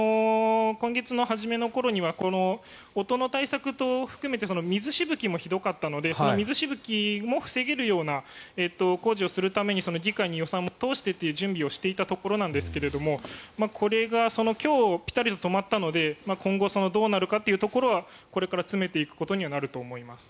今月の初めの頃には音の対策も含めて水しぶきもひどかったのでその水しぶきも防げるような工事をするために議会に予算も通してという準備をしていたところだったんですがこれが今日、ぴたりと止まったので今後、どうなるかというところはこれから詰めていくことにはなると思います。